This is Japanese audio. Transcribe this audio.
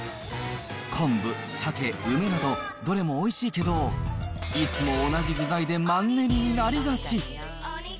昆布、シャケ、梅など、どれもおいしいけど、いつも同じ具材でマンネリになりがち。